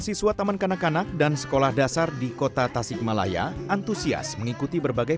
siswa taman kanak kanak dan sekolah dasar di kota tasikmalaya antusias mengikuti berbagai